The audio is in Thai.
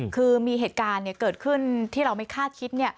คือมีเหตุการณ์เกิดขึ้นที่เราไม่คาดคิด